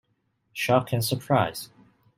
Shock and surprise.